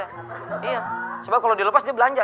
iya sebab kalau dilepas dia belanja